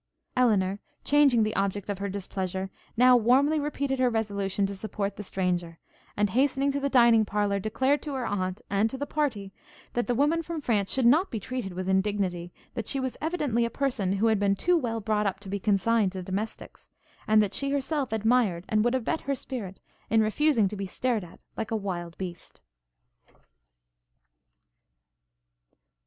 Elinor, changing the object of her displeasure, now warmly repeated her resolution to support the stranger; and, hastening to the dining parlour, declared to her aunt, and to the party, that the woman from France should not be treated with indignity; that she was evidently a person who had been too well brought up to be consigned to domestics; and that she herself admired, and would abet her spirit, in refusing to be stared at like a wild beast.